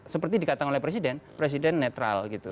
seperti dikatakan oleh presiden presiden netral gitu